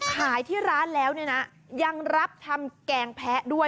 ขายที่ร้านแล้วเนี่ยนะยังรับทำแกงแพ้ด้วย